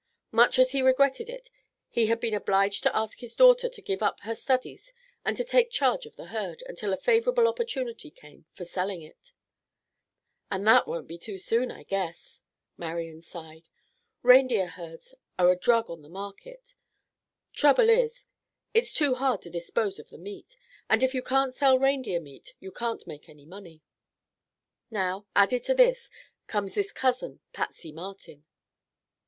Much as he regretted it, he had been obliged to ask his daughter to give up her studies and to take charge of the herd until a favorable opportunity came for selling it. "And that won't be soon, I guess," Marian sighed. "Reindeer herds are a drug on the market. Trouble is, it's too hard to dispose of the meat. And if you can't sell reindeer meat you can't make any money. Now, added to this, comes this cousin, Patsy Martin."